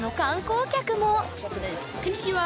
こんにちは。